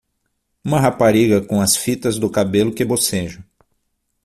Uma rapariga com as fitas do cabelo que bocejam.